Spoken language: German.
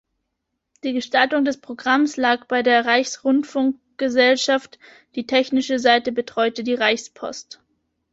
Die Gestaltung des Programms lag bei der Reichsrundfunkgesellschaft, die technische Seite betreute die Reichspost.